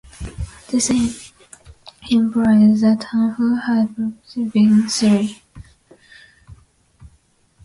This implies that Halfrek had previously been Cecily.